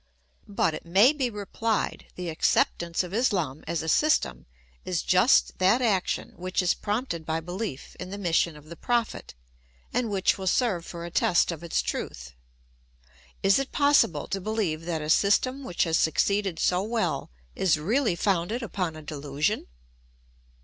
But, it may be rephed, the acceptance of Islam as a system is just that action which is prompted by behef in the mission of the Prophet, and which will serve for a test of its truth. Is it possible to beheve that a system which has succeeded so well is really founded upon a delusion